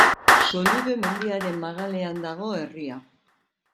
Sollube mendiaren magalean dago herria.